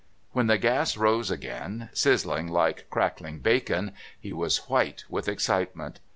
When the gas rose once again, sizzling like crackling bacon, he was white with excitement.